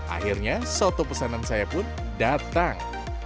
akhirnya soto pesanan saya pun datang